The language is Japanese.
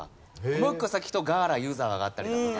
もう一個先行くとガーラ湯沢があったりだとか。